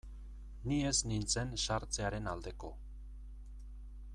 Ni ez nintzen sartzearen aldeko.